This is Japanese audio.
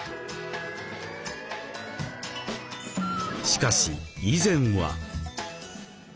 しかし以前は。